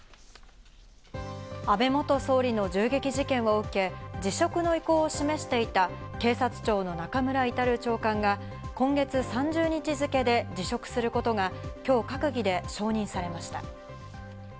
安倍元総理の銃撃事件を受け、辞職の意向を示していた、警察庁の中村格長官が今月３０日付で辞職することが今日、閣議で承認されました。